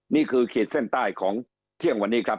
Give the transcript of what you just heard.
นี่คือเขตเส้นใต้ของเที่ยงวันนี้ครับ